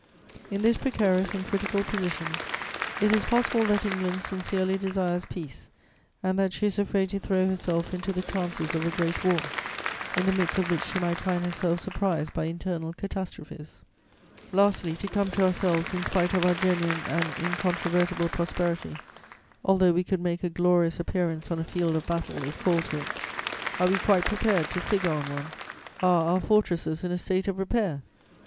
In this precarious and critical position, it is possible that England sincerely desires peace and that she is afraid to throw herself into the chances of a great war, in the midst of which she might find herself surprised by internal catastrophes. "Lastly, to come to ourselves, in spite of our genuine and incontrovertible prosperity, although we could make a glorious appearance on a field of battle, if called to it: are we quite prepared to figure on one? Are our fortresses in a state of repair?